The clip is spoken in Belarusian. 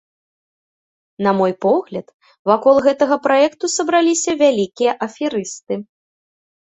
На мой погляд, вакол гэтага праекту сабраліся вялікія аферысты.